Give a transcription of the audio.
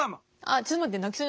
ちょっと待って。